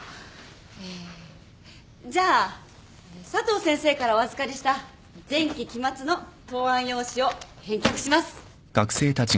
えじゃあ佐藤先生からお預かりした前期期末の答案用紙を返却します。